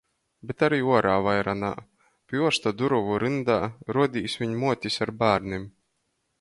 Bet ari uorā vaira nā. Pi uorsta durovu ryndā, ruodīs, viņ muotis ar bārnim.